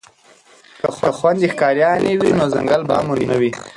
که خویندې ښکاریانې وي نو ځنګل به امن نه وي.